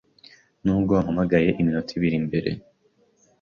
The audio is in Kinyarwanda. Nubwo wampamagaye iminota ibiri mbere.